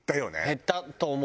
減ったと思う。